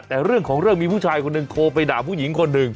แต่เรื่องของเรื่องมีผู้ชายคนหนึ่งโทรไปด่าผู้หญิงคนหนึ่ง